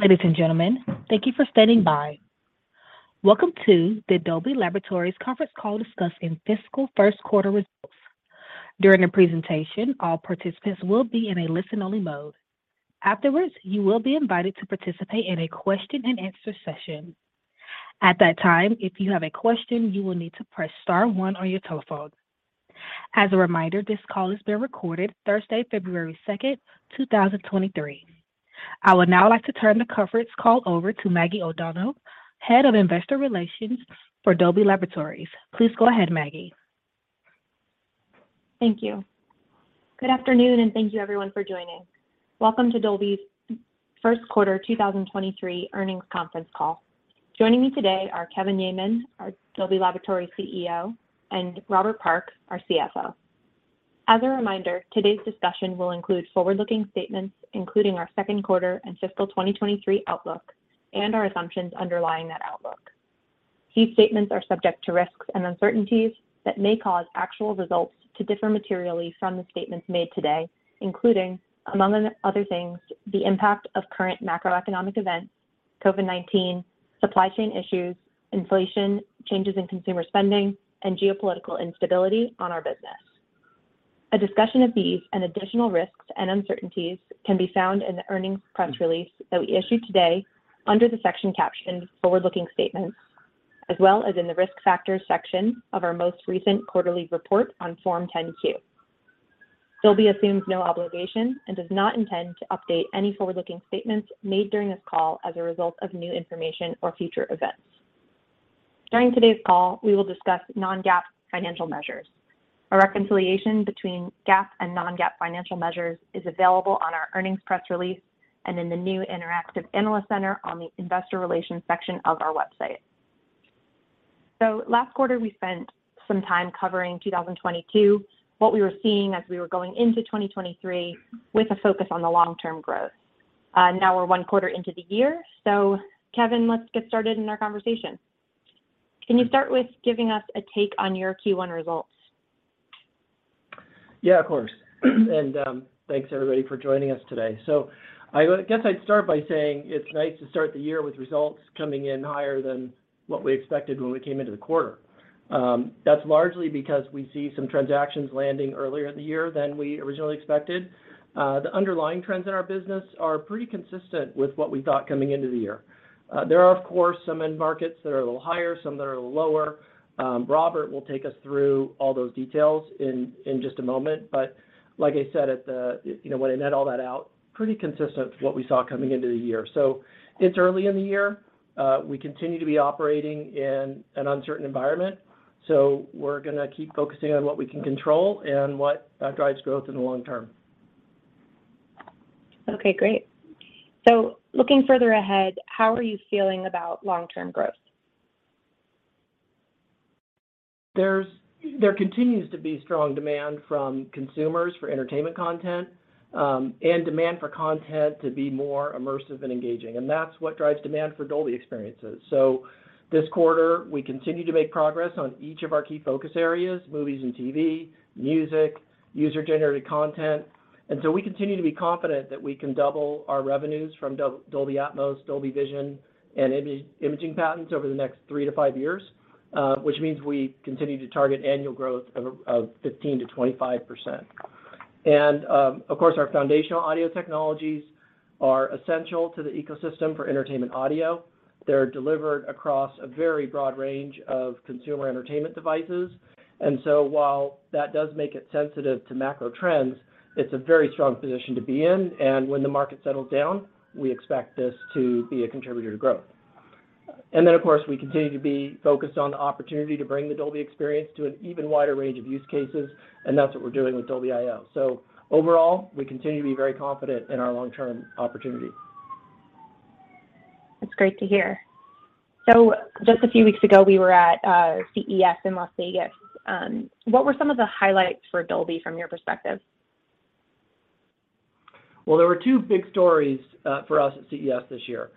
Ladies and gentlemen, thank you for standing by. Welcome to the Dolby Laboratories conference call discussing fiscal first quarter results. During the presentation, all participants will be in a listen only mode. Afterwards, you will be invited to participate in a question and answer session. At that time, if you have a question, you will need to press * 1 on your telephone. As a reminder, this call is being recorded Thursday, February 2, 2023. I would now like to turn the conference call over to Maggie O'Donnell, Head of Investor Relations for Dolby Laboratories. Please go ahead, Maggie. Thank you. Good afternoon, thank you everyone for joining. Welcome to Dolby's first quarter 2023 earnings conference call. Joining me today are Kevin Yeaman, our Dolby Laboratories CEO, and Robert Park, our CFO. As a reminder, today's discussion will include forward-looking statements, including our second quarter and fiscal 2023 outlook and our assumptions underlying that outlook. These statements are subject to risks and uncertainties that may cause actual results to differ materially from the statements made today, including, among other things, the impact of current macroeconomic events, COVID-19, supply chain issues, inflation, changes in consumer spending, and geopolitical instability on our business. A discussion of these and additional risks and uncertainties can be found in the earnings press release that we issued today under the section captioned Forward-Looking Statements, as well as in the Risk Factors section of our most recent quarterly report on Form 10-Q. Dolby assumes no obligation and does not intend to update any forward-looking statements made during this call as a result of new information or future events. During today's call, we will discuss non-GAAP financial measures. A reconciliation between GAAP and non-GAAP financial measures is available on our earnings press release and in the new interactive analyst center on the investor relations section of our website. Last quarter, we spent some time covering 2022, what we were seeing as we were going into 2023 with a focus on the long-term growth. Now we're one quarter into the year. Kevin, let's get started in our conversation. Can you start with giving us a take on your Q1 results? Yeah, of course. Thanks everybody for joining us today. I guess I'd start by saying it's nice to start the year with results coming in higher than what we expected when we came into the quarter. That's largely because we see some transactions landing earlier in the year than we originally expected. The underlying trends in our business are pretty consistent with what we thought coming into the year. There are, of course, some end markets that are a little higher, some that are a little lower. Robert will take us through all those details in just a moment. Like I said, You know, when I net all that out, pretty consistent with what we saw coming into the year. It's early in the year. We continue to be operating in an uncertain environment. We're gonna keep focusing on what we can control and what drives growth in the long term. Okay, great. Looking further ahead, how are you feeling about long-term growth? There continues to be strong demand from consumers for entertainment content, and demand for content to be more immersive and engaging, and that's what drives demand for Dolby experiences. This quarter, we continue to make progress on each of our key focus areas, movies and TV, music, user-generated content. We continue to be confident that we can double our revenues from Dolby Atmos, Dolby Vision, and imaging patents over the next 3 to 5 years, which means we continue to target annual growth of 15%-25%. Of course, our foundational audio technologies are essential to the ecosystem for entertainment audio. They're delivered across a very broad range of consumer entertainment devices. While that does make it sensitive to macro trends, it's a very strong position to be in. When the market settles down, we expect this to be a contributor to growth. Then, of course, we continue to be focused on the opportunity to bring the Dolby experience to an even wider range of use cases, and that's what we're doing with Dolby.io. Overall, we continue to be very confident in our long-term opportunity. That's great to hear. Just a few weeks ago, we were at CES in Las Vegas. What were some of the highlights for Dolby from your perspective? There were two big stories for us at CES this year,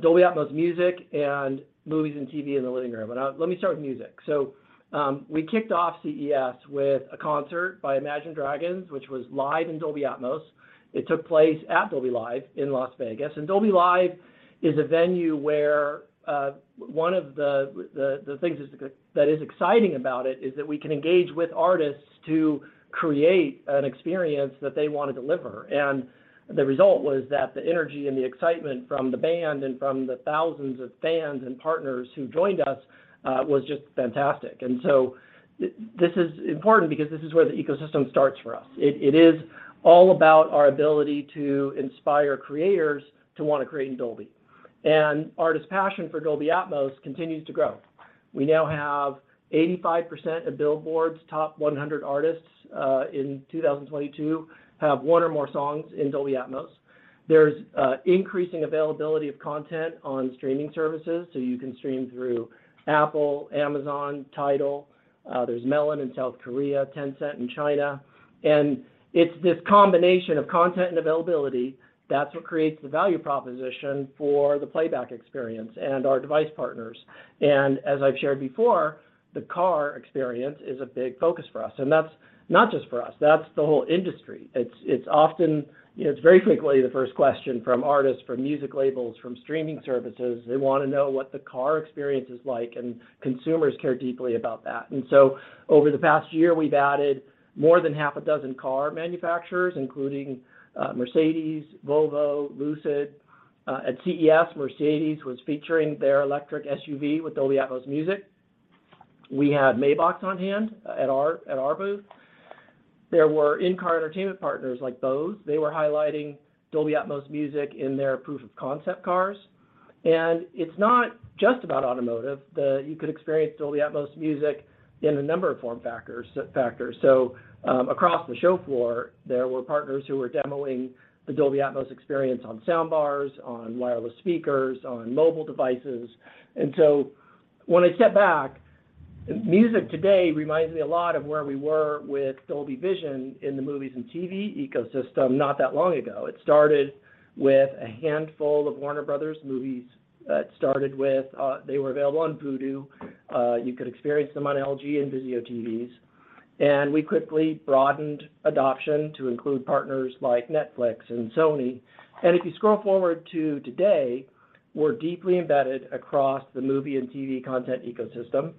Dolby Atmos music and movies and TV in the living room. Let me start with music. We kicked off CES with a concert by Imagine Dragons, which was live in Dolby Atmos. It took place at Dolby Live in Las Vegas. Dolby Live is a venue where one of the things that is exciting about it is that we can engage with artists to create an experience that they wanna deliver. The result was that the energy and the excitement from the band and from the thousands of fans and partners who joined us was just fantastic. This is important because this is where the ecosystem starts for us. It is all about our ability to inspire creators to wanna create in Dolby. Artists' passion for Dolby Atmos continues to grow. We now have 85% of Billboard's top 100 artists in 2022 have one or more songs in Dolby Atmos. There's increasing availability of content on streaming services, so you can stream through Apple, Amazon, Tidal. There's MelOn in South Korea, Tencent in China. It's this combination of content and availability that's what creates the value proposition for the playback experience and our device partners. As I've shared before, the car experience is a big focus for us, and that's not just for us, that's the whole industry. It's very frequently the first question from artists, from music labels, from streaming services. They wanna know what the car experience is like. Consumers care deeply about that. Over the past year, we've added more than 6 car manufacturers, including Mercedes-Benz, Volvo, Lucid. At CES, Mercedes-Benz was featuring their electric SUV with Dolby Atmos Music. We had Mercedes-Maybach on hand at our booth. There were in-car entertainment partners like Bose. They were highlighting Dolby Atmos Music in their proof of concept cars. It's not just about automotive. You could experience Dolby Atmos Music in a number of form factors. Across the show floor, there were partners who were demoing the Dolby Atmos experience on sound bars, on wireless speakers, on mobile devices. When I step back, music today reminds me a lot of where we were with Dolby Vision in the movies and TV ecosystem not that long ago. It started with a handful of Warner Bros. movies. It started with, they were available on Vudu. You could experience them on LG and VIZIO TVs. We quickly broadened adoption to include partners like Netflix and Sony. If you scroll forward to today, we're deeply embedded across the movie and TV content ecosystem.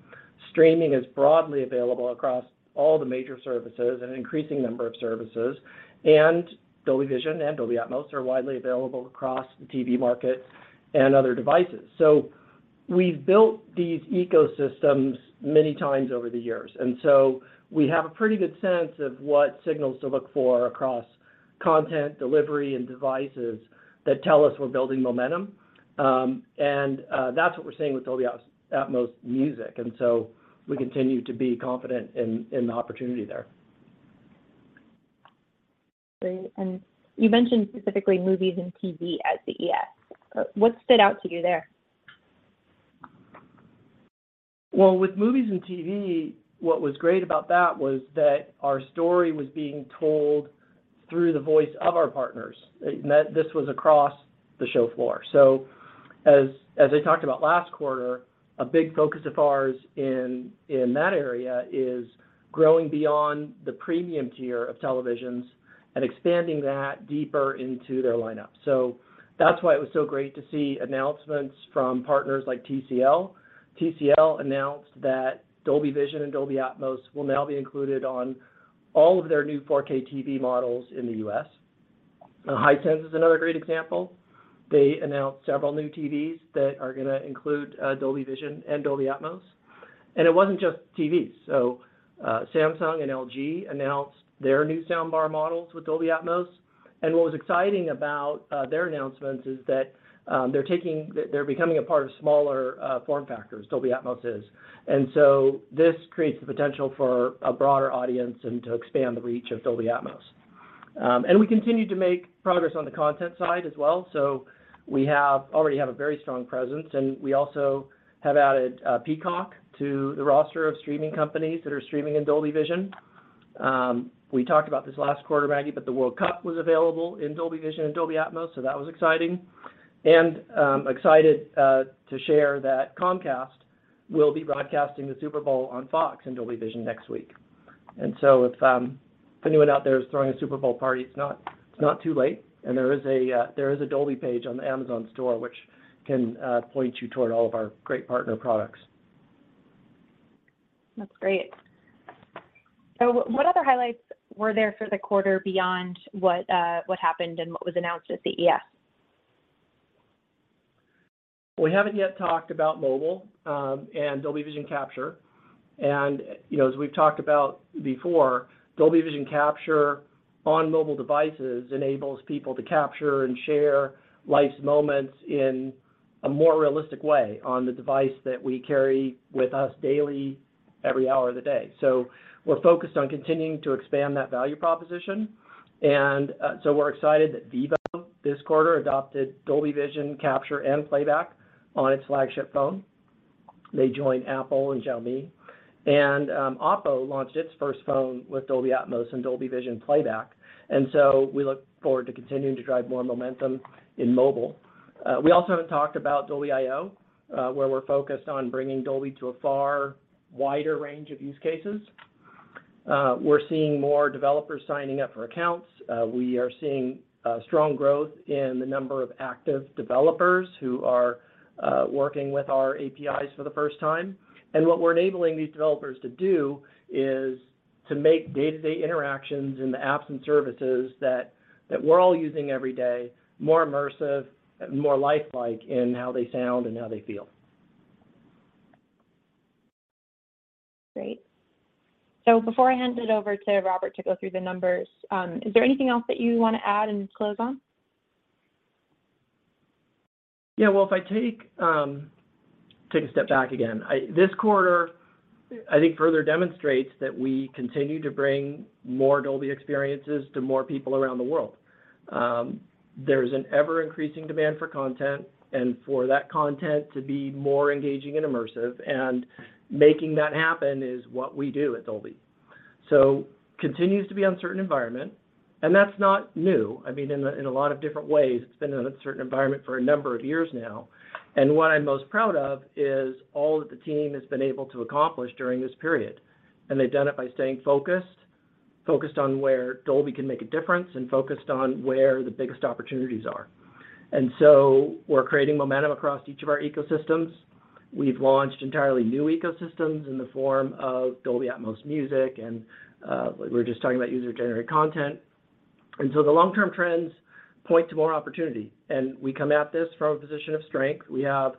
Streaming is broadly available across all the major services, an increasing number of services, and Dolby Vision and Dolby Atmos are widely available across the TV market and other devices. We've built these ecosystems many times over the years, we have a pretty good sense of what signals to look for across content delivery and devices that tell us we're building momentum. That's what we're seeing with Dolby Atmos Music, we continue to be confident in the opportunity there. Great. You mentioned specifically movies and TV at CES. What stood out to you there? Well, with movies and TV, what was great about that was that our story was being told through the voice of our partners, and that this was across the show floor. As I talked about last quarter, a big focus of ours in that area is growing beyond the premium tier of televisions and expanding that deeper into their lineup. That's why it was so great to see announcements from partners like TCL. TCL announced that Dolby Vision and Dolby Atmos will now be included on all of their new 4K TV models in the U.S. Hisense is another great example. They announced several new TVs that are gonna include Dolby Vision and Dolby Atmos. It wasn't just TVs. Samsung and LG announced their new soundbar models with Dolby Atmos, and what was exciting about their announcements is that they're becoming a part of smaller form factors, Dolby Atmos is. This creates the potential for a broader audience and to expand the reach of Dolby Atmos. We continue to make progress on the content side as well, so we already have a very strong presence, and we also have added Peacock to the roster of streaming companies that are streaming in Dolby Vision. We talked about this last quarter, Maggie, the World Cup was available in Dolby Vision and Dolby Atmos, so that was exciting. Excited to share that Comcast will be broadcasting the Super Bowl on Fox in Dolby Vision next week. If anyone out there is throwing a Super Bowl party, it's not too late, and there is a Dolby page on the Amazon store which can point you toward all of our great partner products. That's great. What other highlights were there for the quarter beyond what happened and what was announced at CES? We haven't yet talked about mobile, and Dolby Vision Capture. You know, as we've talked about before, Dolby Vision Capture on mobile devices enables people to capture and share life's moments in a more realistic way on the device that we carry with us daily every hour of the day. We're focused on continuing to expand that value proposition. We're excited that Vivo this quarter adopted Dolby Vision capture and playback on its flagship phone. They join Apple and Xiaomi. Oppo launched its first phone with Dolby Atmos and Dolby Vision playback. We look forward to continuing to drive more momentum in mobile. We also haven't talked about Dolby.io, where we're focused on bringing Dolby to a far wider range of use cases. We're seeing more developers signing up for accounts. We are seeing strong growth in the number of active developers who are working with our APIs for the first time. What we're enabling these developers to do is to make day-to-day interactions in the apps and services that we're all using every day more immersive and more lifelike in how they sound and how they feel. Great. before I hand it over to Robert to go through the numbers, is there anything else that you wanna add in close on? Yeah. Well, if I take a step back again. This quarter I think further demonstrates that we continue to bring more Dolby experiences to more people around the world. There's an ever-increasing demand for content and for that content to be more engaging and immersive, and making that happen is what we do at Dolby. Continues to be uncertain environment, and that's not new. I mean, in a, in a lot of different ways, it's been an uncertain environment for a number of years now. What I'm most proud of is all that the team has been able to accomplish during this period. They've done it by staying focused on where Dolby can make a difference, and focused on where the biggest opportunities are. We're creating momentum across each of our ecosystems. We've launched entirely new ecosystems in the form of Dolby Atmos Music. We're just talking about user-generated content. The long-term trends point to more opportunity, and we come at this from a position of strength. We have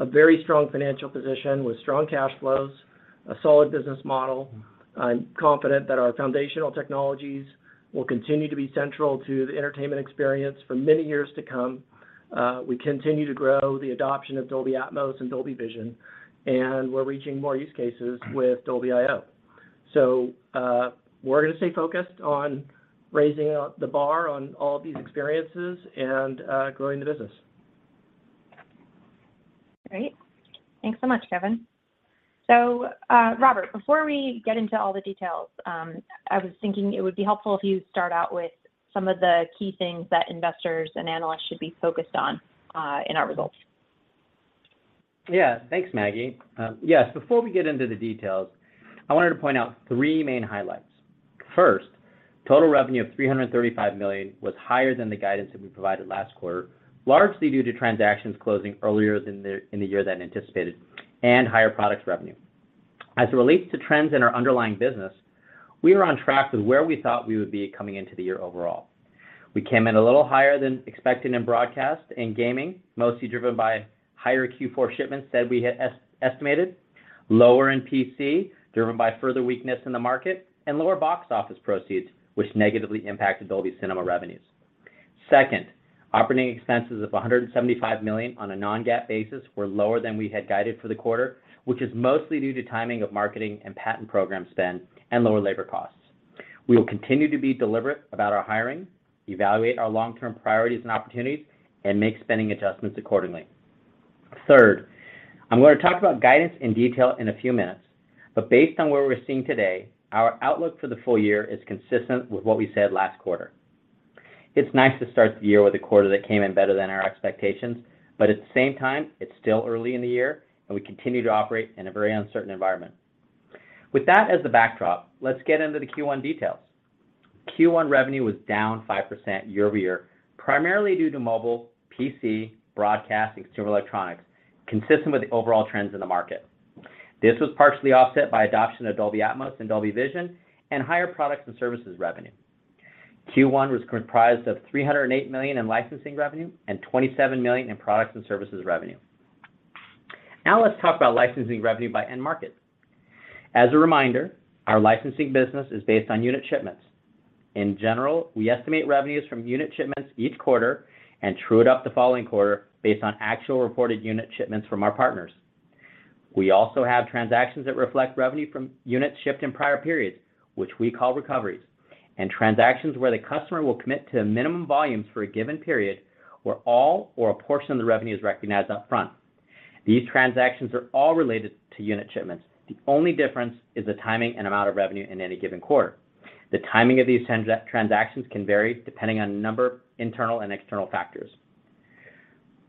a very strong financial position with strong cash flows, a solid business model. I'm confident that our foundational technologies will continue to be central to the entertainment experience for many years to come. We continue to grow the adoption of Dolby Atmos and Dolby Vision, and we're reaching more use cases with Dolby.io. We're gonna stay focused on raising the bar on all these experiences and growing the business. Great. Thanks so much, Kevin. Robert, before we get into all the details, I was thinking it would be helpful if you start out with some of the key things that investors and analysts should be focused on, in our results. Thanks, Maggie. Before we get into the details, I wanted to point out three main highlights. First, total revenue of $335 million was higher than the guidance that we provided last quarter, largely due to transactions closing earlier in the year than anticipated and higher products revenue. As it relates to trends in our underlying business, we are on track with where we thought we would be coming into the year overall. We came in a little higher than expected in broadcast and gaming, mostly driven by higher Q4 shipments than we had estimated. Lower in PC, driven by further weakness in the market, and lower box office proceeds, which negatively impacted Dolby Cinema revenues. Operating expenses of $175 million on a non-GAAP basis were lower than we had guided for the quarter, which is mostly due to timing of marketing and patent program spend and lower labor costs. We will continue to be deliberate about our hiring, evaluate our long-term priorities and opportunities, and make spending adjustments accordingly. I'm gonna talk about guidance in detail in a few minutes, but based on where we're seeing today, our outlook for the full year is consistent with what we said last quarter. It's nice to start the year with a quarter that came in better than our expectations, but at the same time, it's still early in the year, and we continue to operate in a very uncertain environment. With that as the backdrop, let's get into the Q1 details. Q1 revenue was down 5% year-over-year, primarily due to mobile, PC, broadcast, and consumer electronics, consistent with the overall trends in the market. This was partially offset by adoption of Dolby Atmos and Dolby Vision and higher products and services revenue. Q1 was comprised of $308 million in licensing revenue and $27 million in products and services revenue. Now let's talk about licensing revenue by end market. As a reminder, our licensing business is based on unit shipments. In general, we estimate revenues from unit shipments each quarter and true it up the following quarter based on actual reported unit shipments from our partners. We also have transactions that reflect revenue from units shipped in prior periods, which we call recoveries, and transactions where the customer will commit to minimum volumes for a given period, where all or a portion of the revenue is recognized upfront. These transactions are all related to unit shipments. The only difference is the timing and amount of revenue in any given quarter. The timing of these transactions can vary depending on a number of internal and external factors.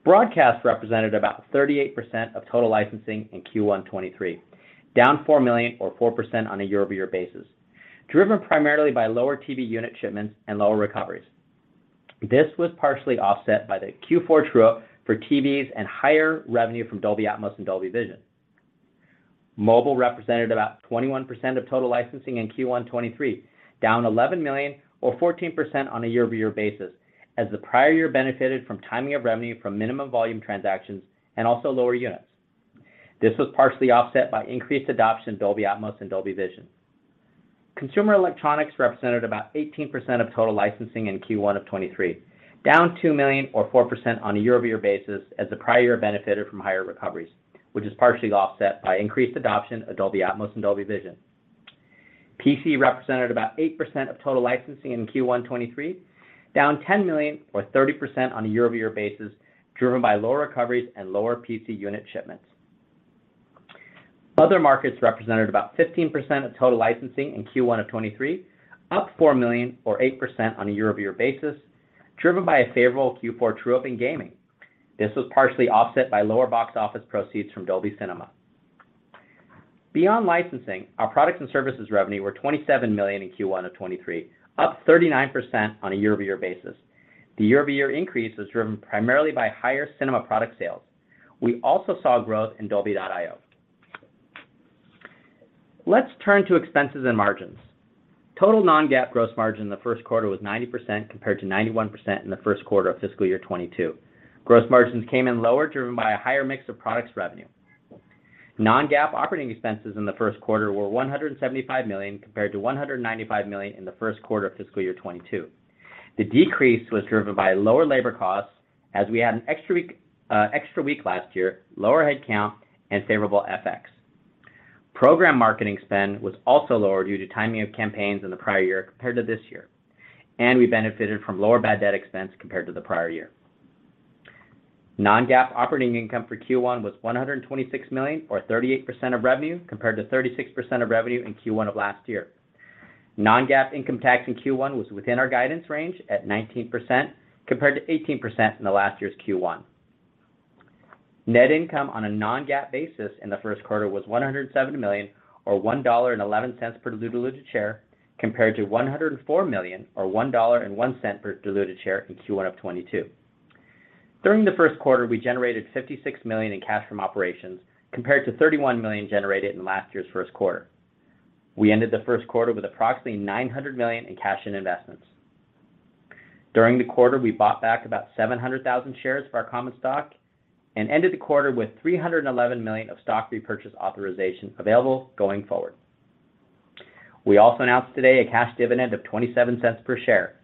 Broadcast represented about 38% of total licensing in Q1 2023, down $4 million or 4% on a year-over-year basis, driven primarily by lower TV unit shipments and lower recoveries. This was partially offset by the Q4 true-up for TVs and higher revenue from Dolby Atmos and Dolby Vision. Mobile represented about 21% of total licensing in Q1 '23, down $11 million or 14% on a year-over-year basis, as the prior year benefited from timing of revenue from minimum volume transactions and also lower units. This was partially offset by increased adoption of Dolby Atmos and Dolby Vision. Consumer electronics represented about 18% of total licensing in Q1 of '23, down $2 million or 4% on a year-over-year basis as the prior year benefited from higher recoveries, which is partially offset by increased adoption of Dolby Atmos and Dolby Vision. PC represented about 8% of total licensing in Q1 '23, down $10 million or 30% on a year-over-year basis, driven by lower recoveries and lower PC unit shipments. Other markets represented about 15% of total licensing in Q1 of 2023, up $4 million or 8% on a year-over-year basis, driven by a favorable Q4 true-up in gaming. This was partially offset by lower box office proceeds from Dolby Cinema. Beyond licensing, our products and services revenue were $27 million in Q1 of 2023, up 39% on a year-over-year basis. The year-over-year increase was driven primarily by higher cinema product sales. We also saw growth in Dolby.io. Let's turn to expenses and margins. Total non-GAAP gross margin in the first quarter was 90% compared to 91% in the first quarter of fiscal year 2022. Gross margins came in lower, driven by a higher mix of products revenue. Non-GAAP operating expenses in the first quarter were $175 million compared to $195 million in the first quarter of fiscal year 2022. The decrease was driven by lower labor costs as we had an extra week last year, lower head count, and favorable FX. Program marketing spend was also lower due to timing of campaigns in the prior year compared to this year. We benefited from lower bad debt expense compared to the prior year. Non-GAAP operating income for Q1 was $126 million, or 38% of revenue, compared to 36% of revenue in Q1 of last year. Non-GAAP income tax in Q1 was within our guidance range at 19%, compared to 18% in the last year's Q1. Net income on a non-GAAP basis in the first quarter was $107 million, or $1.11 per diluted share, compared to $104 million, or $1.01 per diluted share in Q1 2022. During the first quarter, we generated $56 million in cash from operations, compared to $31 million generated in last year's first quarter. We ended the first quarter with approximately $900 million in cash and investments. During the quarter, we bought back about 700,000 shares of our common stock and ended the quarter with $311 million of stock repurchase authorization available going forward. We also announced today a cash dividend of $0.27 per share.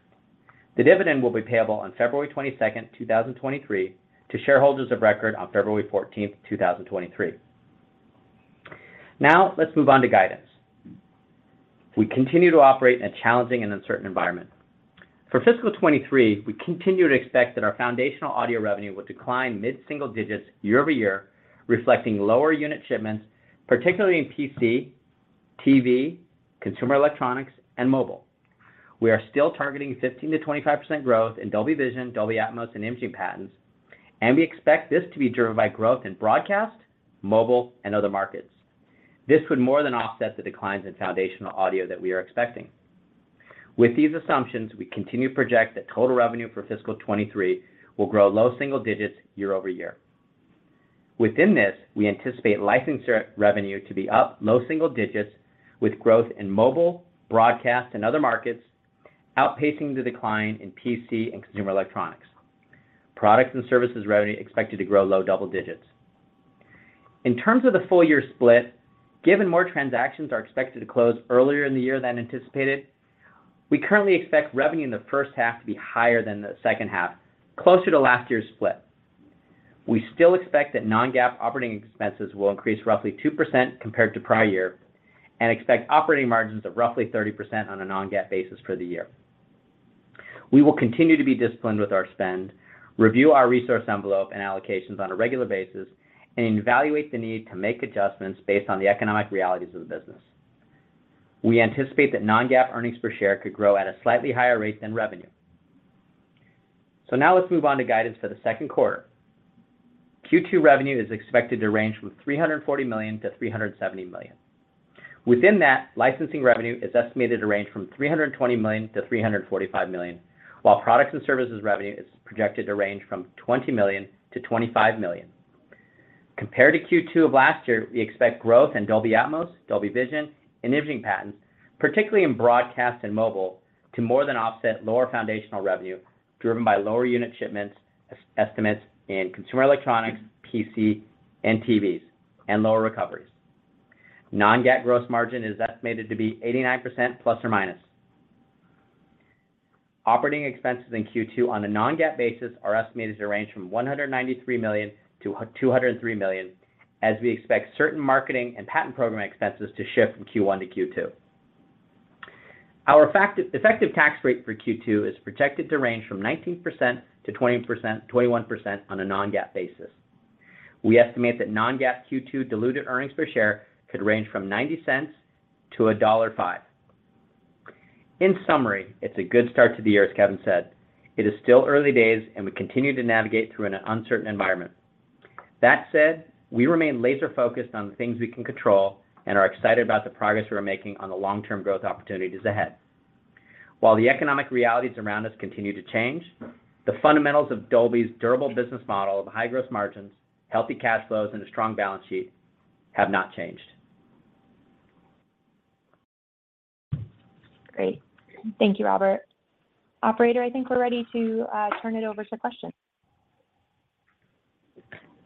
The dividend will be payable on February 22, 2023 to shareholders of record on February 14, 2023. Let's move on to guidance. We continue to operate in a challenging and uncertain environment. For fiscal 2023, we continue to expect that our foundational audio revenue will decline mid-single digits year-over-year, reflecting lower unit shipments, particularly in PC, TV, consumer electronics, and mobile. We are still targeting 15%-25% growth in Dolby Vision, Dolby Atmos, and imaging patents. We expect this to be driven by growth in broadcast, mobile, and other markets. This would more than offset the declines in foundational audio that we are expecting. With these assumptions, we continue to project that total revenue for fiscal 2023 will grow low single digits year-over-year. Within this, we anticipate licensing re-revenue to be up low single digits with growth in mobile, broadcast, and other markets, outpacing the decline in PC and consumer electronics. Products and services revenue expected to grow low double digits. In terms of the full year split, given more transactions are expected to close earlier in the year than anticipated, we currently expect revenue in the first half to be higher than the second half, closer to last year's split. We still expect that non-GAAP operating expenses will increase roughly 2% compared to prior year, and expect operating margins of roughly 30% on a non-GAAP basis for the year. We will continue to be disciplined with our spend, review our resource envelope and allocations on a regular basis, and evaluate the need to make adjustments based on the economic realities of the business. We anticipate that non-GAAP earnings per share could grow at a slightly higher rate than revenue. Now let's move on to guidance for the second quarter. Q2 revenue is expected to range from $340 million-$370 million. Within that, licensing revenue is estimated to range from $320 million-$345 million, while products and services revenue is projected to range from $20 million-$25 million. Compared to Q2 of last year, we expect growth in Dolby Atmos, Dolby Vision, and imaging patents, particularly in broadcast and mobile, to more than offset lower foundational revenue, driven by lower unit shipments estimates in consumer electronics, PC, and TVs, and lower recoveries. Non-GAAP gross margin is estimated to be 89% ±. Operating expenses in Q2 on a non-GAAP basis are estimated to range from $193 million-$203 million, as we expect certain marketing and patent program expenses to shift from Q1 to Q2. Our effective tax rate for Q2 is projected to range from 19%-20%, 21% on a non-GAAP basis. We estimate that non-GAAP Q2 diluted earnings per share could range from $0.90-$1.05. In summary, it's a good start to the year, as Kevin said. It is still early days, and we continue to navigate through an uncertain environment. That said, we remain laser-focused on the things we can control and are excited about the progress we are making on the long-term growth opportunities ahead. While the economic realities around us continue to change, the fundamentals of Dolby's durable business model of high gross margins, healthy cash flows, and a strong balance sheet have not changed. Great. Thank you, Robert. Operator, I think we're ready to turn it over to questions.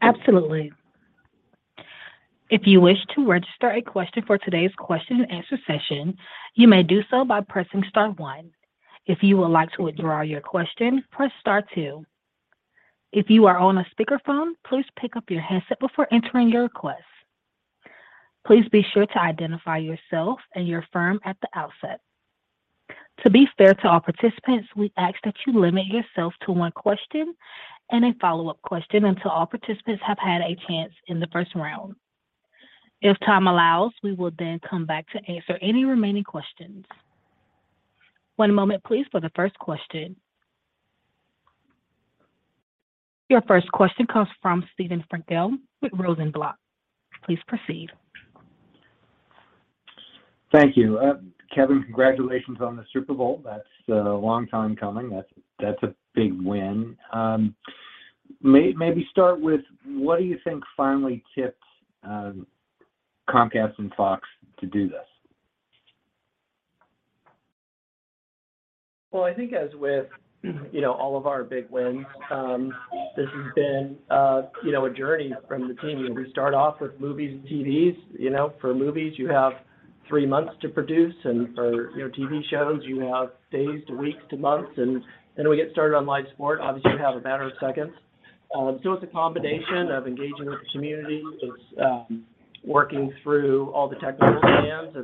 Absolutely. If you wish to register a question for today's question and answer session, you may do so by pressing * one. If you would like to withdraw your question, press * two. If you are on a speakerphone, please pick up your handset before entering your request. Please be sure to identify yourself and your firm at the outset. To be fair to all participants, we ask that you limit yourself to one question and a follow-up question until all participants have had a chance in the first round. If time allows, we will then come back to answer any remaining questions. One moment, please, for the first question. Your first question comes from Steven Frankel with Rosenblatt. Please proceed. Thank you. Kevin, congratulations on the Super Bowl. That's a long time coming. That's a big win. Maybe start with what do you think finally tipped Comcast and Fox to do this? Well, I think as with, you know, all of our big wins, this has been, you know, a journey from the team. You start off with movies and TVs. You know, for movies, you have 3 months to produce, and for, you know, TV shows, you have days to weeks to months. Then we get started on live sport. Obviously, you have a matter of seconds. It's a combination of engaging with the community. It's working through all the technical demands.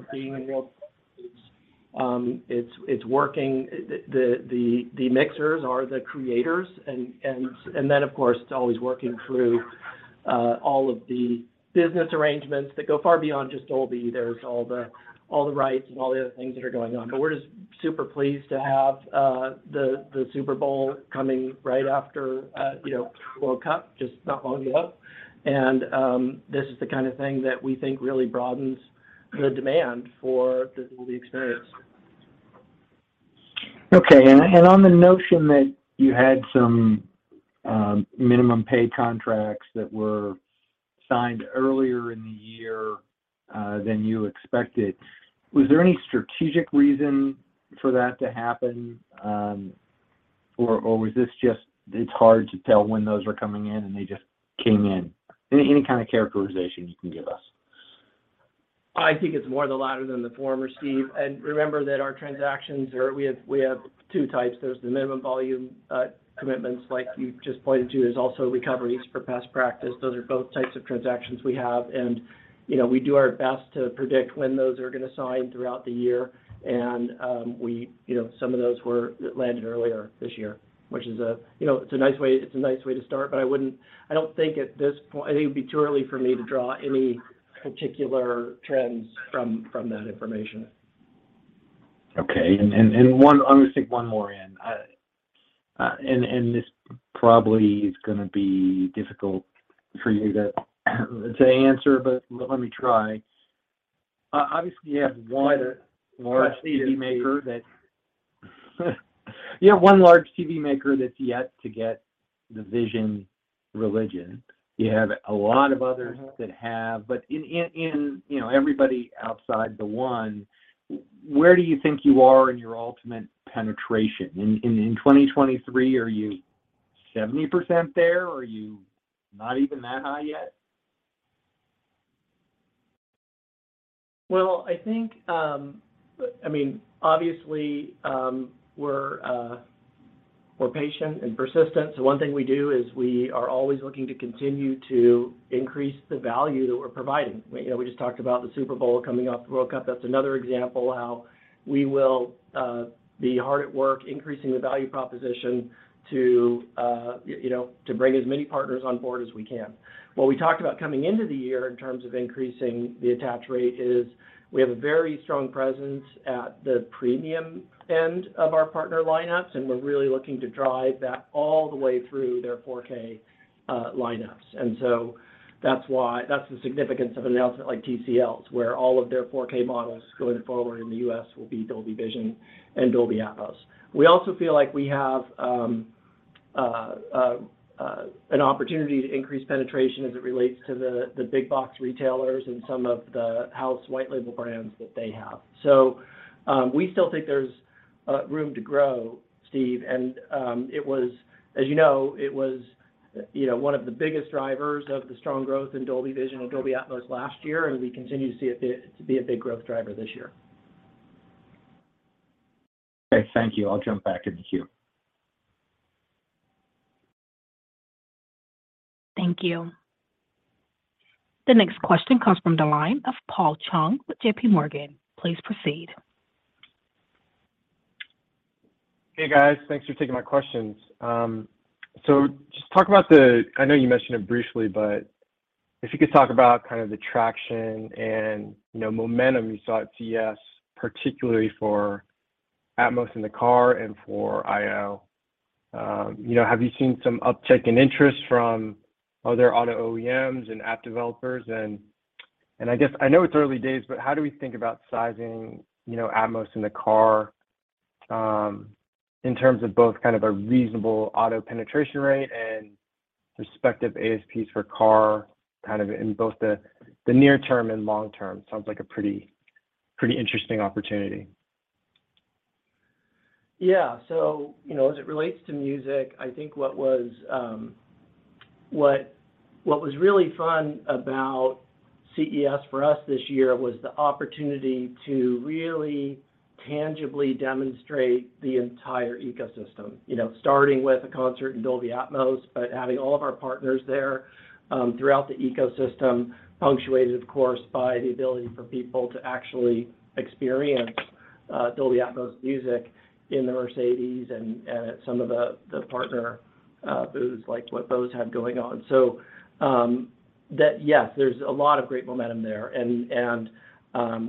It's working the mixers or the creators, and then, of course, it's always working through all of the business arrangements that go far beyond just Dolby. There's all the rights and all the other things that are going on. We're just super pleased to have the Super Bowl coming right after, you know, World Cup just not long ago. This is the kind of thing that we think really broadens the demand for the Dolby experience. Okay. On the notion that you had some minimum pay contracts that were signed earlier in the year than you expected, was there any strategic reason for that to happen? Or was this just it's hard to tell when those are coming in and they just came in? Any kind of characterization you can give us. I think it's more the latter than the former, Steve. Remember that our transactions, we have two types. There's the minimum volume commitments like you just pointed to. There's also recoveries for best practice. Those are both types of transactions we have, you know, we do our best to predict when those are gonna sign throughout the year. You know, some of those landed earlier this year, which is a, you know, it's a nice way to start, I think it'd be too early for me to draw any particular trends from that information. Okay. One I'm gonna sneak one more in. This probably is gonna be difficult for you to answer, but let me try. Obviously, you have one large TV maker. You have one large TV maker that's yet to get the Vision religion. You have a lot of others that have. In, you know, everybody outside the one, where do you think you are in your ultimate penetration? In 2023, are you 70% there? Are you not even that high yet? Well, I think, obviously, we're patient and persistent. One thing we do is we are always looking to continue to increase the value that we're providing. We, you know, we just talked about the Super Bowl coming up, the World Cup. That's another example how we will be hard at work increasing the value proposition to, you know, to bring as many partners on board as we can. What we talked about coming into the year in terms of increasing the attach rate is we have a very strong presence at the premium end of our partner lineups, and we're really looking to drive that all the way through their 4K lineups. That's why that's the significance of an announcement like TCL's, where all of their 4K models going forward in the U.S. will be Dolby Vision and Dolby Atmos. We also feel like we have an opportunity to increase penetration as it relates to the big box retailers and some of the house white label brands that they have. We still think there's room to grow, Steve. It was, as you know, you know, one of the biggest drivers of the strong growth in Dolby Vision and Dolby Atmos last year, and we continue to see it be a big growth driver this year. Okay. Thank you. I'll jump back in the queue. Thank you. The next question comes from the line of Paul Chung with J.P. Morgan. Please proceed. Hey, guys. Thanks for taking my questions. I know you mentioned it briefly, but if you could talk about kind of the traction and, you know, momentum you saw at CES, particularly for Atmos in the car and for IO. You know, have you seen some uptick in interest from other auto OEMs and app developers? I guess I know it's early days, but how do we think about sizing, you know, Atmos in the car, in terms of both kind of a reasonable auto penetration rate and respective ASPs for car, kind of in both the near term and long term? Sounds like a pretty interesting opportunity. You know, as it relates to music, I think what was really fun about CES for us this year was the opportunity to really tangibly demonstrate the entire ecosystem. You know, starting with a concert in Dolby Atmos, having all of our partners there throughout the ecosystem, punctuated of course by the ability for people to actually experience Dolby Atmos music in the Mercedes-Benz and at some of the partner booths, like what Bose had going on. That yes, there's a lot of great momentum there.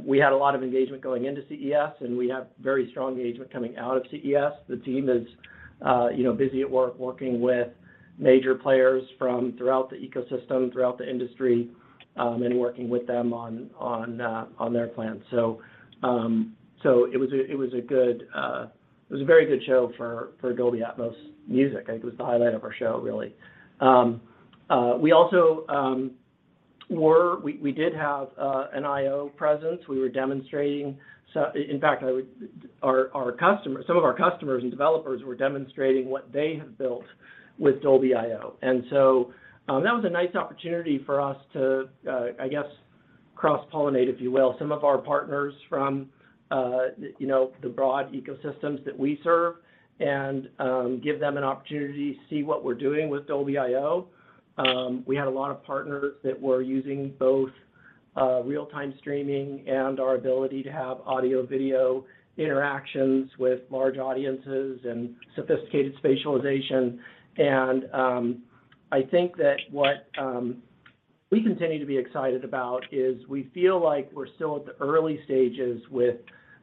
We had a lot of engagement going into CES, and we have very strong engagement coming out of CES. The team is, you know, busy at work working with major players from throughout the ecosystem, throughout the industry, and working with them on their plans. It was a very good show for Dolby Atmos Music. I think it was the highlight of our show, really. We also did have a Dolby.io presence. We were demonstrating in fact, some of our customers and developers were demonstrating what they have built with Dolby.io. That was a nice opportunity for us to I guess cross-pollinate, if you will. Some of our partners from the broad ecosystems that we serve and give them an opportunity to see what we're doing with Dolby.io. We had a lot of partners that were using both real-time streaming and our ability to have audio/video interactions with large audiences and sophisticated spatialization. I think that what we continue to be excited about is we feel like we're still at the early stages with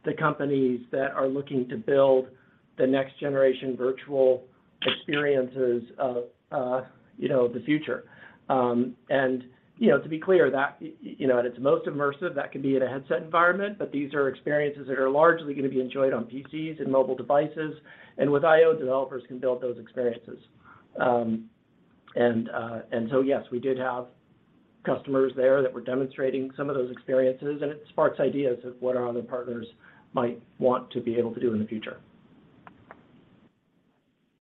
the companies that are looking to build the next generation virtual experiences of, you know, the future. You know, to be clear, that, you know, at its most immersive, that can be in a headset environment, but these are experiences that are largely gonna be enjoyed on PCs and mobile devices, and with IO, developers can build those experiences. Yes, we did have customers there that were demonstrating some of those experiences, and it sparks ideas of what our other partners might want to be able to do in the future.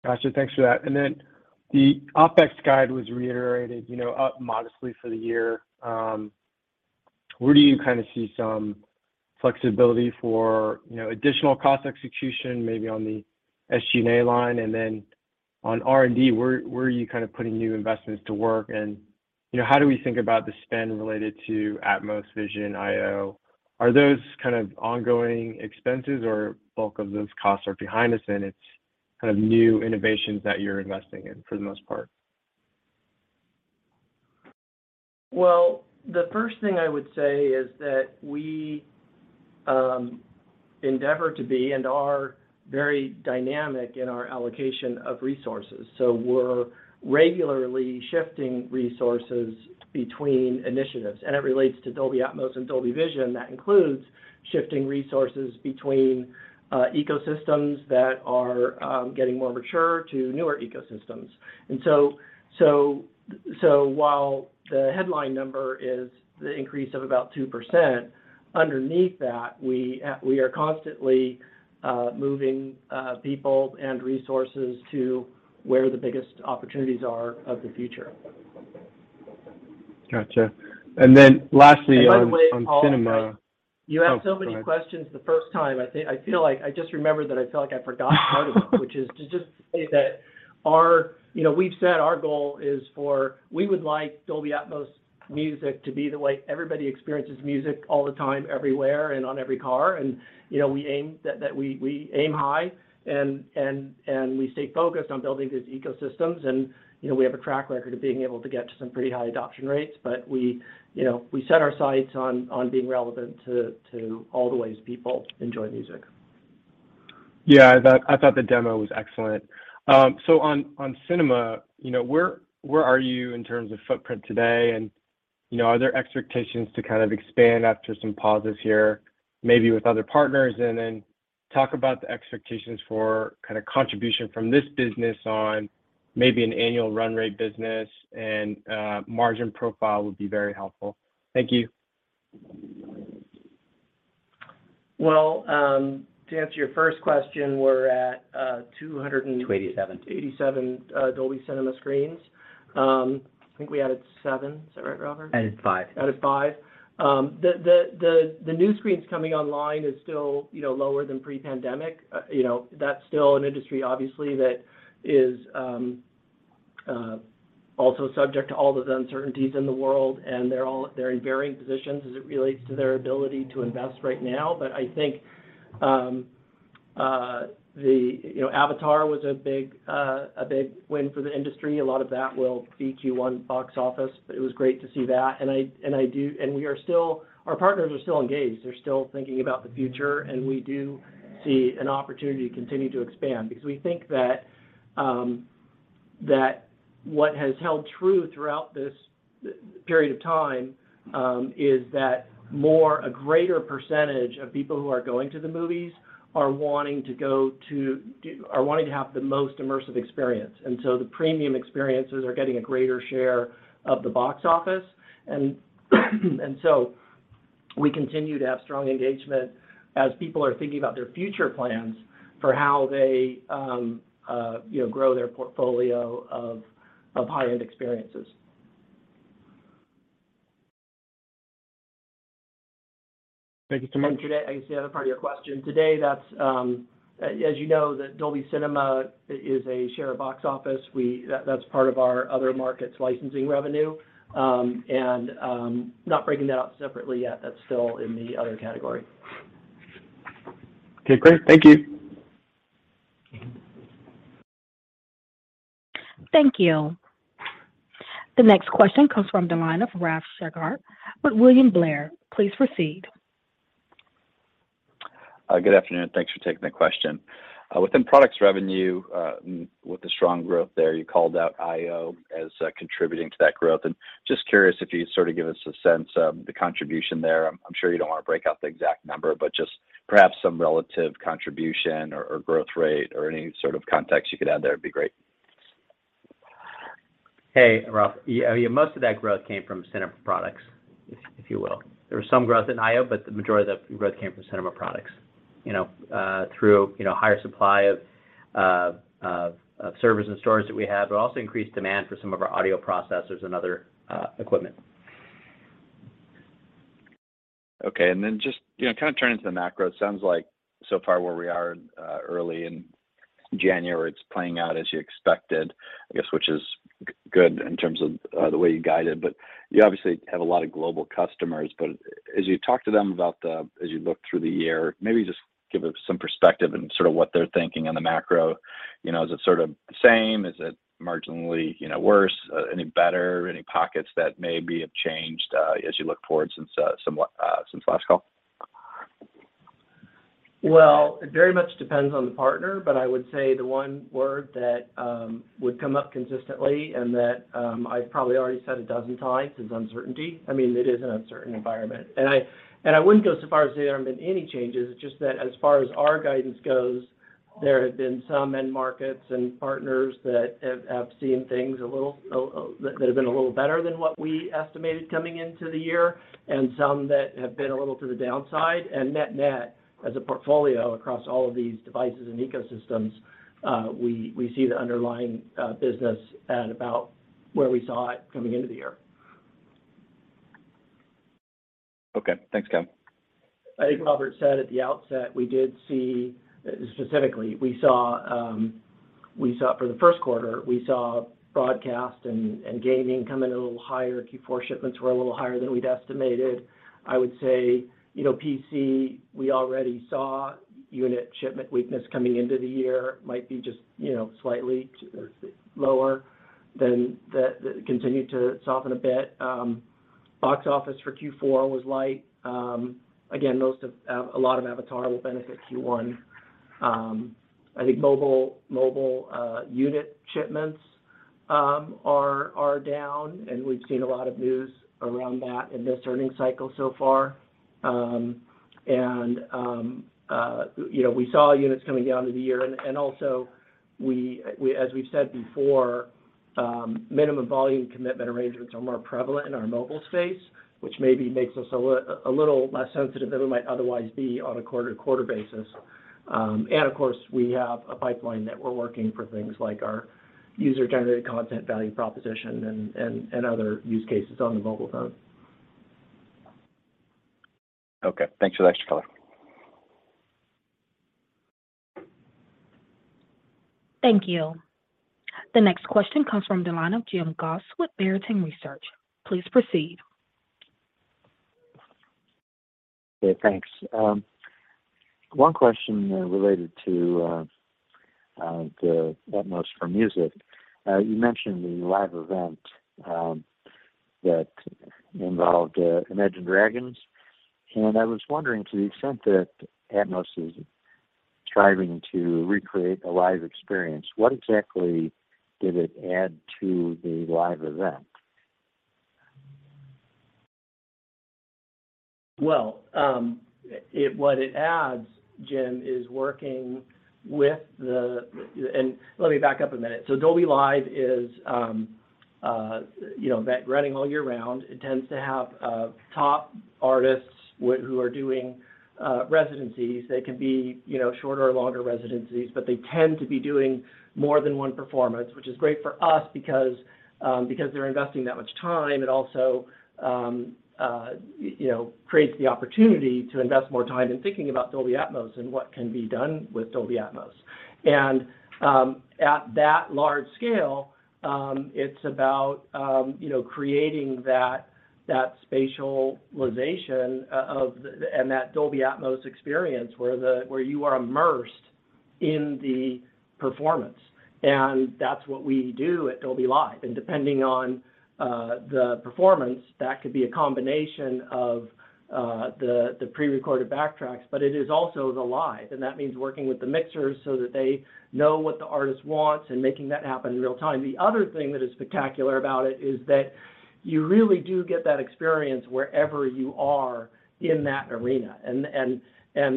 Gotcha. Thanks for that. The OpEx guide was reiterated, you know, up modestly for the year. Where do you kinda see some flexibility for, you know, additional cost execution, maybe on the SG&A line? On R&D, where are you kind of putting new investments to work? You know, how do we think about the spend related to Atmos, Vision, IO? Are those kind of ongoing expenses, or bulk of those costs are behind us and it's kind of new innovations that you're investing in for the most part? The first thing I would say is that we endeavor to be, and are, very dynamic in our allocation of resources. We're regularly shifting resources between initiatives, and it relates to Dolby Atmos and Dolby Vision. That includes shifting resources between ecosystems that are getting more mature to newer ecosystems. While the headline number is the increase of about 2%, underneath that, we are constantly moving people and resources to where the biggest opportunities are of the future. Gotcha. lastly- By the way, Paul. On cinema- You asked so many questions the first time, I think, I feel like I just remembered that I feel like I forgot part of it. Which is to just say that our. You know, we've said our goal is for, we would like Dolby Atmos Music to be the way everybody experiences music all the time, everywhere, and on every car. You know, we aim that we aim high and we stay focused on building these ecosystems. You know, we have a track record of being able to get to some pretty high adoption rates, but we, you know, we set our sights on being relevant to all the ways people enjoy music. Yeah. That, I thought the demo was excellent. On, on cinema, you know, where are you in terms of footprint today? You know, are there expectations to kind of expand after some pauses here, maybe with other partners? Talk about the expectations for kind of contribution from this business on maybe an annual run rate business and margin profile would be very helpful. Thank you. To answer your first question, we're at 200. $287.... 87 Dolby Cinema screens. I think we added 7. Is that right, Robert? Added 5. Added 5. The new screens coming online is still, you know, lower than pre-pandemic. You know, that's still an industry, obviously, that is also subject to all the uncertainties in the world, they're in varying positions as it relates to their ability to invest right now. I think, you know, Avatar was a big win for the industry. A lot of that will be Q1 box office, it was great to see that. Our partners are still engaged. They're still thinking about the future. We do see an opportunity to continue to expand, because we think that what has held true throughout this period of time is that more, a greater percentage of people who are going to the movies are wanting to have the most immersive experience. The premium experiences are getting a greater share of the box office. We continue to have strong engagement as people are thinking about their future plans for how they, you know, grow their portfolio of high-end experiences. Thank you so much. Today, I can see the other part of your question. Today, that's, as you know, the Dolby Cinema is a share of box office. That's part of our other markets licensing revenue. not breaking that out separately yet. That's still in the other category. Okay, great. Thank you. Thank you. Thank you. The next question comes from the line of Ralph Schackart with William Blair. Please proceed. Good afternoon. Thanks for taking the question. Within products revenue, with the strong growth there, you called out IO as contributing to that growth. Just curious if you'd sort of give us a sense of the contribution there. I'm sure you don't wanna break out the exact number, but just perhaps some relative contribution or growth rate or any sort of context you could add there, it'd be great. Hey, Ralph. Yeah, most of that growth came from cinema products, if you will. There was some growth in IO. The majority of the growth came from cinema products. You know, through, you know, higher supply of Of servers and storage that we have, but also increased demand for some of our audio processors and other equipment. Okay. Just, you know, kind of turning to the macro, it sounds like so far where we are, early in January, it's playing out as you expected, I guess, which is good in terms of the way you guided. You obviously have a lot of global customers, but as you talk to them as you look through the year, maybe just give us some perspective on sort of what they're thinking on the macro. You know, is it sort of the same? Is it marginally, you know, worse, any better, any pockets that maybe have changed, as you look forward since somewhat since last call? Well, it very much depends on the partner, but I would say the one word that would come up consistently and that I've probably already said 12 times is uncertainty. I mean, it is an uncertain environment. I wouldn't go so far as to say there haven't been any changes, it's just that as far as our guidance goes, there have been some end markets and partners that have seen things a little that have been a little better than what we estimated coming into the year, and some that have been a little to the downside. Net-net, as a portfolio across all of these devices and ecosystems, we see the underlying business at about where we saw it coming into the year. Okay. Thanks, Kevin. I think Robert said at the outset, specifically, we saw for the first quarter, we saw broadcast and gaming come in a little higher. Q4 shipments were a little higher than we'd estimated. I would say, you know, PC, we already saw unit shipment weakness coming into the year, might be just, you know, slightly lower than the continue to soften a bit. Box office for Q4 was light. Again, a lot of Avatar will benefit Q1. I think mobile unit shipments are down, and we've seen a lot of news around that in this earnings cycle so far. You know, we saw units coming down to the year. Also we, as we've said before, minimum volume commitment arrangements are more prevalent in our mobile space, which maybe makes us a little less sensitive than we might otherwise be on a quarter-to-quarter basis. Of course, we have a pipeline that we're working for things like our user-generated content value proposition and other use cases on the mobile phone. Okay. Thanks for the extra color. Thank you. The next question comes from the line of Jim Goss with Barrington Research. Please proceed. Thanks. One question related to the Dolby Atmos Music. You mentioned the live event that involved Imagine Dragons. I was wondering, to the extent that Dolby Atmos is striving to recreate a live experience, what exactly did it add to the live event? Well. Let me back up a minute. Dolby Live is, you know, that running all year round. It tends to have top artists who are doing residencies. They can be, you know, shorter or longer residencies, but they tend to be doing more than one performance, which is great for us because they're investing that much time. It also, you know, creates the opportunity to invest more time in thinking about Dolby Atmos and what can be done with Dolby Atmos. At that large scale, it's about, you know, creating that spatialization and that Dolby Atmos experience where you are immersed in the performance. That's what we do at Dolby Live. Depending on the performance, that could be a combination of the pre-recorded backtracks, but it is also the live, and that means working with the mixers so that they know what the artist wants and making that happen in real time. The other thing that is spectacular about it is that you really do get that experience wherever you are in that arena.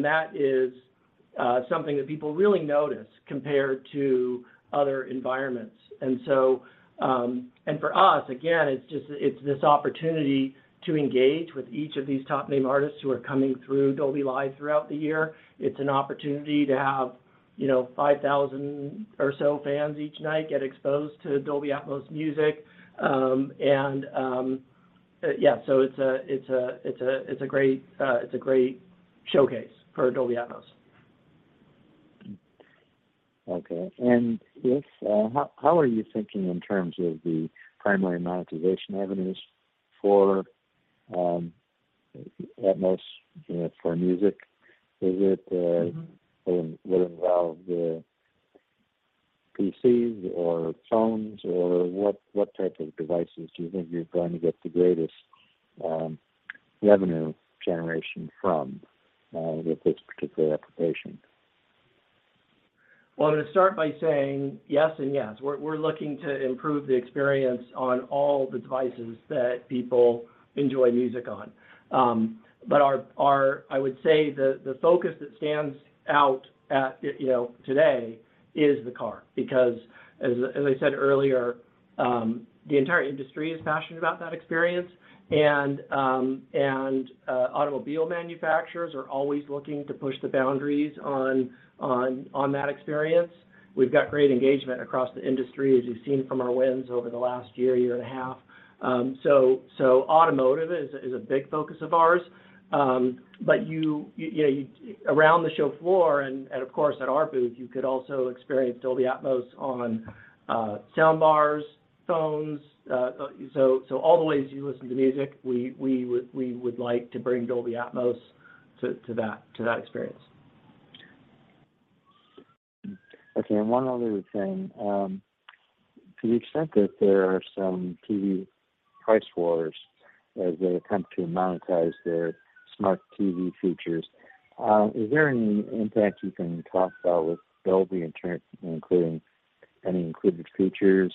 That is something that people really notice compared to other environments. For us, again, it's just, it's this opportunity to engage with each of these top name artists who are coming through Dolby Live throughout the year. It's an opportunity to have, you know, 5,000 or so fans each night get exposed to Dolby Atmos Music. Yeah, it's a great showcase for Dolby Atmos. Okay. If, how are you thinking in terms of the primary monetization avenues for Atmos, you know, for music? Mm-hmm. Will involve the PCs or phones, or what type of devices do you think you're going to get the greatest revenue generation from with this particular application? Well, I'm gonna start by saying yes and yes. We're looking to improve the experience on all the devices that people enjoy music on. I would say the focus that stands out at, you know, today is the car. As I said earlier, the entire industry is passionate about that experience and automobile manufacturers are always looking to push the boundaries on that experience. We've got great engagement across the industry, as you've seen from our wins over the last year and a half. Automotive is a big focus of ours. You around the show floor and of course at our booth, you could also experience Dolby Atmos on soundbars, phones, all the ways you listen to music, we would like to bring Dolby Atmos to that experience. Okay. One other thing, to the extent that there are some TV price wars as they attempt to monetize their smart TV features, is there any impact you can talk about with Dolby including any included features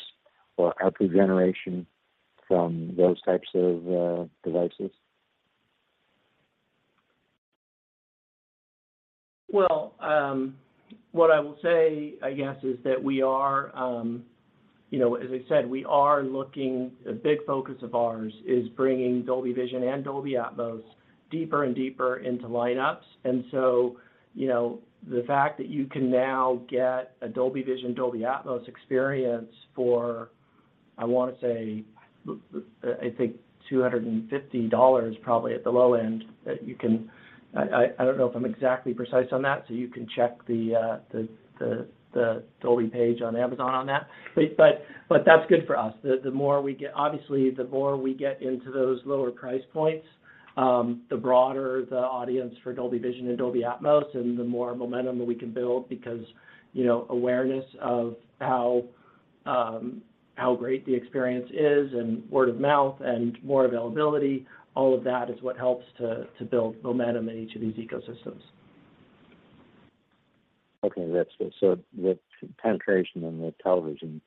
or upgrade generation from those types of devices? Well, what I will say, I guess, is that we are, you know, as I said, a big focus of ours is bringing Dolby Vision and Dolby Atmos deeper and deeper into lineups. You know, the fact that you can now get a Dolby Vision, Dolby Atmos experience for, I wanna say, I think $250 probably at the low end, don't know if I'm exactly precise on that, so you can check the Dolby page on Amazon on that. That's good for us. Obviously, the more we get into those lower price points, the broader the audience for Dolby Vision and Dolby Atmos, and the more momentum that we can build because, you know, awareness of how great the experience is and word of mouth and more availability, all of that is what helps to build momentum in each of these ecosystems. Okay. That's good. The penetration in the television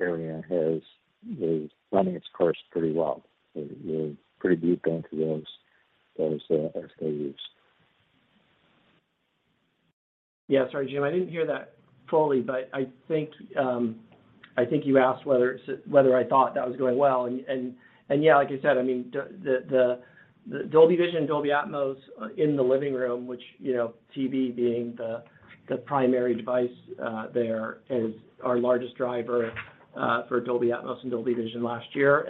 area is running its course pretty well. You're pretty deep into those SKUs. Sorry, Jim. I didn't hear that fully, but I think you asked whether I thought that was going well. Like I said, I mean, the Dolby Vision and Dolby Atmos in the living room, which, you know, TV being the primary device, there is our largest driver for Dolby Atmos and Dolby Vision last year,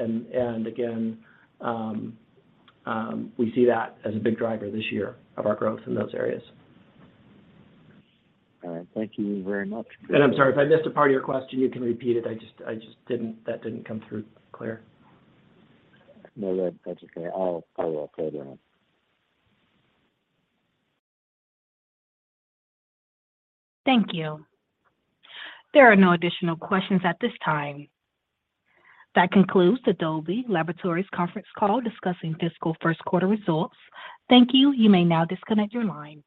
again, we see that as a big driver this year of our growth in those areas. All right. Thank you very much. I'm sorry, if I missed a part of your question, you can repeat it. That didn't come through clear. No, that's okay. I'll play it in. Thank you. There are no additional questions at this time. That concludes the Dolby Laboratories conference call discussing fiscal first quarter results. Thank you. You may now disconnect your line.